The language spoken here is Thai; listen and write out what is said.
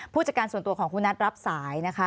ผู้จัดการส่วนตัวของคุณนัทรับสายนะคะ